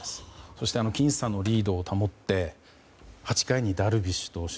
そして僅差のリードを保って８回にダルビッシュ投手